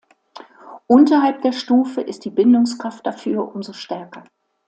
Unterhalb der Stufe ist die Bindungskraft dafür umso stärker.